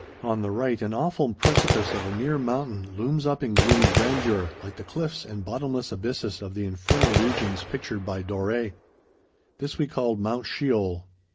On the right, an awful precipice of a near mountain looms up in gloomy grandeur, like the cliffs and bottomless abysses of the infernal regions pictured by Doré. This we called Mount Sheol.